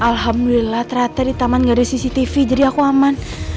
alhamdulillah ternyata di taman gak ada cctv jadi aku aman